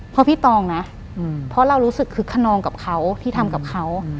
เพราะพี่ตองนะเพราะเรารู้สึกคึกขนองกับเขาที่ทำกับเขา